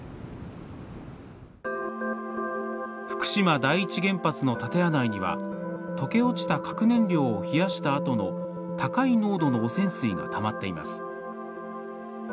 福島第一原発の建屋内には溶け落ちた核燃料を冷やしたあとの高い濃度の汚染水がたまっています。